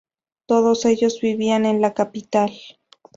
Todos ellos vivían en la capital.